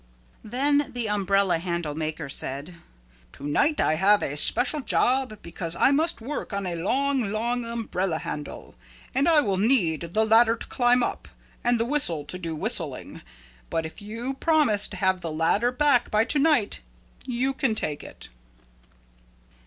Then the umbrella handle maker said, "To night I have a special job because I must work on a long, long umbrella handle and I will need the ladder to climb up and the whistle to be whistling. But if you promise to have the ladder back by to night you can take it."